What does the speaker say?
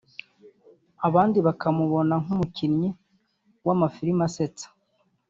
abandi bakamubona nk’umukinnyi w’amafilimi asetsa